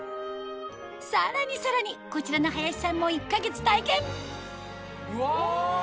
さらにさらにこちらの林さんも１か月体験うわ！